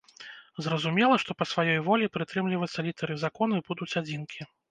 Зразумела, што па сваёй волі прытрымлівацца літары закону будуць адзінкі.